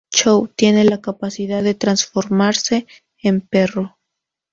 Chou: Tiene la capacidad de transformarse en perro.